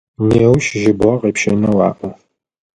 Неущ жьыбгъэ къепщэнэу аӏо.